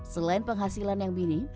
selain penghasilan yang bini